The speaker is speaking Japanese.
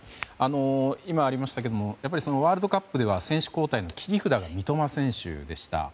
今ありましたけどもワールドカップでは選手交代の切り札が三笘選手でした。